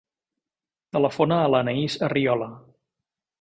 Telefona a l'Anaís Arriola.